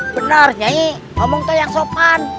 benar nyai ngomong teh yang sopan